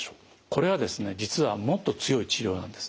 これはですね実はもっと強い治療なんですね。